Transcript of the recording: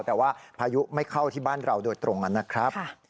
แต่ว่าพายุไม่เข้าที่บ้านเราโดยตรงนะครับ